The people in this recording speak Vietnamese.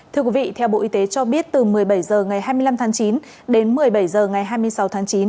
thưa quý vị theo bộ y tế cho biết từ một mươi bảy h ngày hai mươi năm tháng chín đến một mươi bảy h ngày hai mươi sáu tháng chín